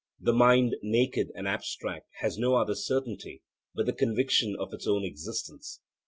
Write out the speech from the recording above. The mind naked and abstract has no other certainty but the conviction of its own existence.